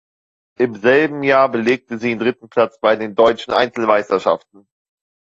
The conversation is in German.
Im selben Jahr belegte sie den dritten Platz bei den Deutschen Einzelmeisterschaften.